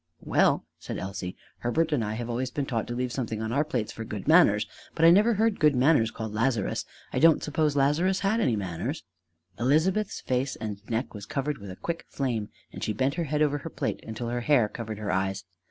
"Well," said Elsie, "Herbert and I have always been taught to leave something on our plates for good manners. But I never heard good manners called Lazarus. I didn't suppose Lazarus had any manners!" Elizabeth's face and neck was colored with a quick flame, and she bent her head over her plate until her hair covered her eyes.